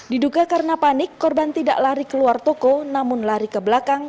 diduga karena panik korban tidak lari keluar toko namun lari ke belakang